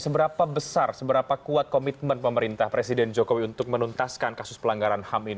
seberapa besar seberapa kuat komitmen pemerintah presiden jokowi untuk menuntaskan kasus pelanggan